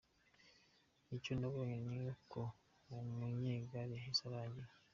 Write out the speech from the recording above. Icyo nabonye ni uko uwo munyegare yahise arangira ”.